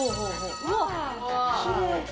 うわっきれい。